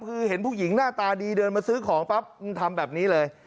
คือเห็นผู้หญิงหน้าตาดีเดินมาซื้อของปั๊บมันทำแบบนี้เลย